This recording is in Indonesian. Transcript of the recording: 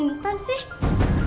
aku udah bilang monik